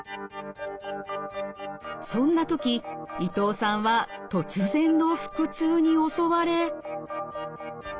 そんな時伊藤さんは突然の腹痛に襲われ。